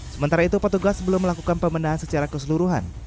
sementara itu petugas belum melakukan pemenahan secara keseluruhan